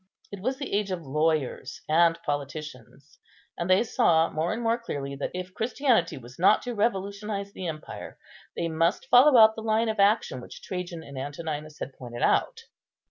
It was the age of lawyers and politicians; and they saw more and more clearly that if Christianity was not to revolutionize the empire, they must follow out the line of action which Trajan and Antoninus had pointed out.